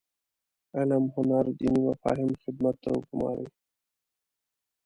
علم هنر دیني مفاهیم خدمت ته وګوماري.